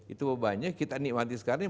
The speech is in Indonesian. itu bebannya kita nikmati sekarang